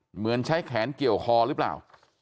เหมือนใช้แขนเกี่ยวคอหรือเปล่า